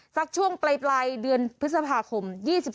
สักช่วงใบเดือนพฤษภาคม